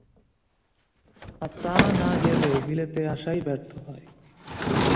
আর তা না গেলে বিলেতে আসাই ব্যর্থ হয়।